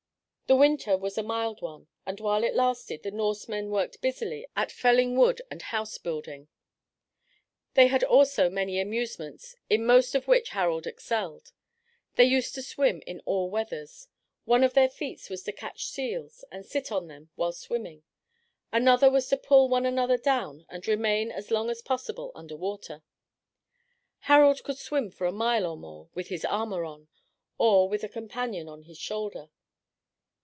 The winter was a mild one, and while it lasted, the Norsemen worked busily at felling wood and house building. They had also many amusements, in most of which Harald excelled. They used to swim in all weathers. One of their feats was to catch seals and sit on them while swimming; another was to pull one another down and remain as long as possible under water. Harald could swim for a mile or more with his armor on, or with a companion on his shoulder.